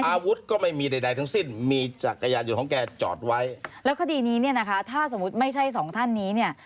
อาวุธก็ไม่มีใดใดทั้งสิ้นมีจักรยานยนต์ของแกจอดไว้แล้วคดีนี้เนี่ยนะคะถ้าสมมุติไม่ใช่สองท่านนี้เนี่ย